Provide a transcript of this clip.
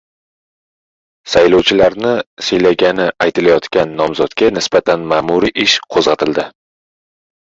Saylovchilarni siylagani aytilayotgan nomzodga nisbatan ma’muriy ish qo‘zg‘atildi